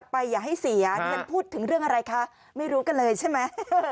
อย่าให้เสียดิฉันพูดถึงเรื่องอะไรคะไม่รู้กันเลยใช่ไหม